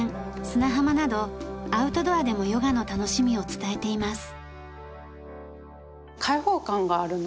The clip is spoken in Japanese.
砂浜などアウトドアでもヨガの楽しみを伝えています。